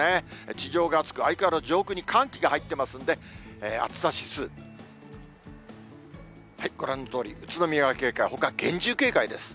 地上が暑く、相変わらず上空に寒気が入ってますんで、暑さ指数、ご覧のとおり、宇都宮は警戒、ほか厳重警戒です。